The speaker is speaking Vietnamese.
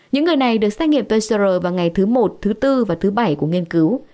những người này được xét nghiệm pcr vào ngày thứ một thứ bốn và thứ bảy của nghiên cứu